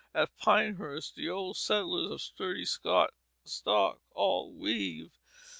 At Pinehurst the old settlers, of sturdy Scotch stock, all weave.